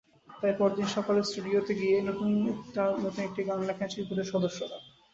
তাই পরদিন সকালে স্টুডিওতে গিয়েই নতুন একটি গান লেখেন চিরকুটের সদস্যরা।